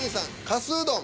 「かすうどん」